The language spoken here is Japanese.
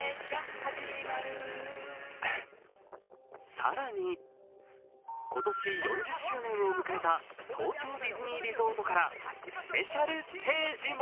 更に今年４０周年を迎えた東京ディズニーリゾートからスペシャルステージも。